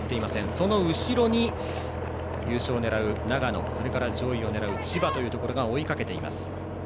その後ろに優勝を狙う長野それから上位を狙う千葉が追いかけています。